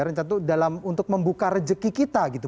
rencana itu dalam untuk membuka rezeki kita gitu